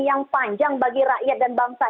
yang panjang bagi rakyat dan bangsa